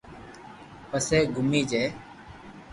پسي گومي جي